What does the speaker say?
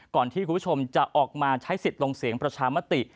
ที่คุณผู้ชมจะออกมาใช้สิทธิ์ลงเสียงประชามติ